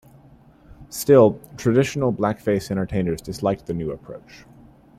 Still, traditional blackface entertainers disliked the new approach.